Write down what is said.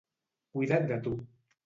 Cuida't de tu.